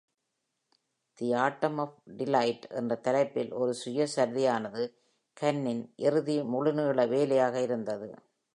"The atom of delight" என்ற தலைப்பில் ஒரு சுயசரிதையானது, கன்னின் இறுதி முழு நீள வேலையாக இருந்தது.